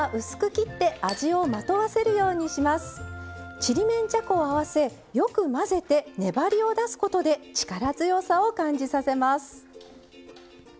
ちりめんじゃこを合わせよく混ぜて粘りを出すことで力強さを感じさせます。